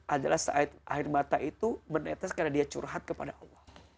adalah saat air mata itu menetes karena dia curhat kepada allah